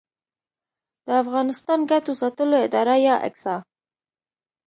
د افغانستان ګټو ساتلو اداره یا اګسا